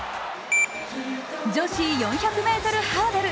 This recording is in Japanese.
女子４００ｍハードル。